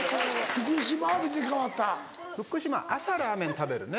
福島朝ラーメン食べるね。